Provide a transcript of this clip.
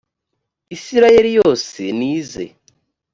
isirayeli yose nize